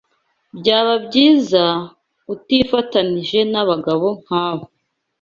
Byaba byiza utifatanije nabagabo nkabo.